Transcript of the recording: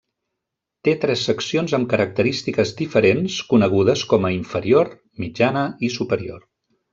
Té tres seccions amb característiques diferents conegudes com a inferior, mitjana i superior.